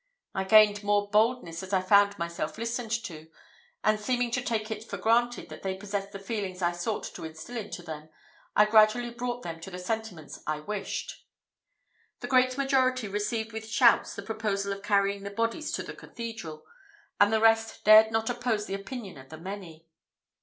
I gained more boldness as I found myself listened to; and, seeming to take it for granted that they possessed the feelings I sought to instil into them, I gradually brought them to the sentiments I wished. The great majority received with shouts the proposal of carrying the bodies to the cathedral, and the rest dared not oppose the opinion of the many.